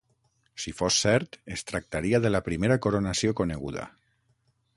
Si fos cert, es tractaria de la primera coronació coneguda.